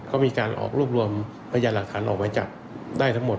ก็มีการออกรวบรวมพยานหลักฐานออกหมายจับได้ทั้งหมด